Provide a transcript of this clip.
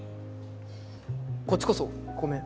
こっちこそごめん。